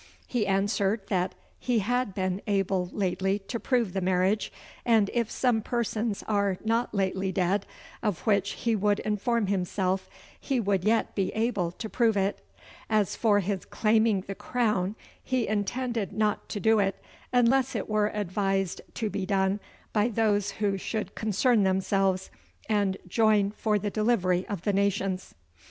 He answered that he had been able lately to prove the marriage, and if some persons are not lately dead, of which he would inform himself, he would yet be able to prove it. As for his claiming the crown, he intended not to do it unless it were advised to be done by those who should concern themselves and join for the delivery of the nations.